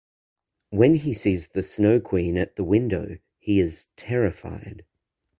When he sees the Snow Queen at the window he is terrified.